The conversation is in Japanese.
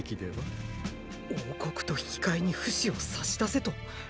王国と引き換えにフシを差し出せと？